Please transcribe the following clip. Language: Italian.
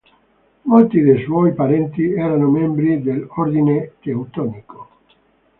Molti dei suoi parenti erano membri dell'Ordine teutonico.